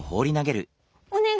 おねがい！